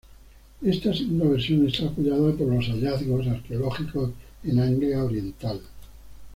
Esta segunda versión está apoyada por los hallazgos arqueológicos en Anglia Oriental.